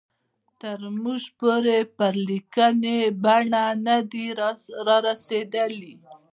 تر موږ پورې په لیکلې بڼه نه دي را رسېدلي.